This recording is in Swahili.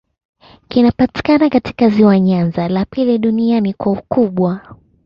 Kinapatikana katika ziwa Nyanza, la pili duniani kwa ukubwa.